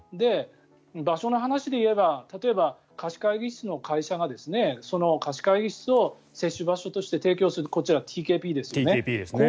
場所の話で言えば例えば、貸し会議室の会社が貸し会議室を接種場所として提供するこちら、ＴＫＰですね。